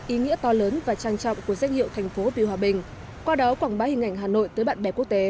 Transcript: ý nghĩa to lớn và trang trọng của danh hiệu thành phố vì hòa bình qua đó quảng bá hình ảnh hà nội tới bạn bè quốc tế